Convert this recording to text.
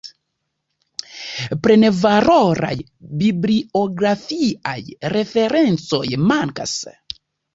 Plenvaloraj bibliografiaj referencoj mankas.